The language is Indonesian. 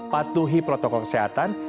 patuhi protokol kesehatan